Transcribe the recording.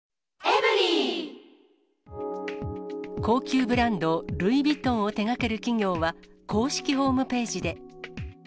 高級ブランド、ルイ・ヴィトンを手がける企業は、公式ホームページで。